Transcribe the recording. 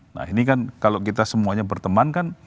nah ini kan kalau kita semuanya berteman kan